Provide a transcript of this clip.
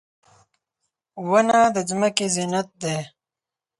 • ونه د ځمکې زینت دی.